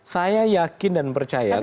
saya yakin dan percaya